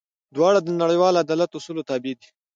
دواړه د نړیوال عدالت اصولو تابع دي.